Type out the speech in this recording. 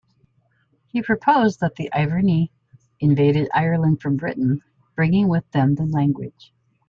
He proposed that the Iverni invaded Ireland from Britain, bringing with them the language.